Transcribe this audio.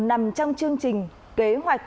nằm trong chương trình kế hoạch